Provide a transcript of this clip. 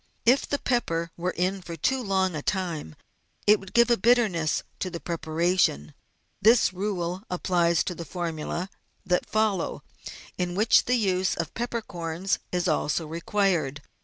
If the pepper were in for too long a time it would give a bitterness to the preparation. This rule also applies to the formula; that follow, in which the use of peppercorns is also required.